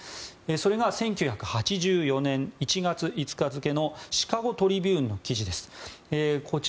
それが１９８４年１月５日付のシカゴ・トリビューンの記事です。